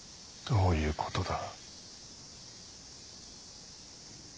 どういうことだ？